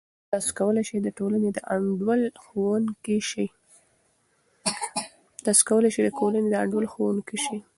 تاسې کولای سئ د ټولنې د انډول ښوونکی سئ.